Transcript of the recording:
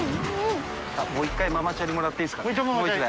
もう１回ママチャリもらっていいですかね。